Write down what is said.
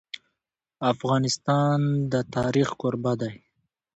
افغانستان د تاریخ کوربه دی.